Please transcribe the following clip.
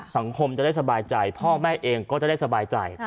สังคมจะได้สบายใจพ่อแม่เองก็จะได้สบายใจ